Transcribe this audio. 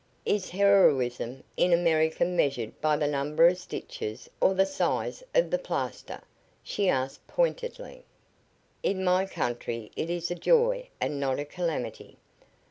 "Is heroism in America measured by the number of stitches or the size of the plaster?" she asked, pointedly. "In my country it is a joy, and not a calamity.